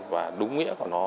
và đúng nghĩa của nó